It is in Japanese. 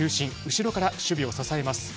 後ろから守備を支えます。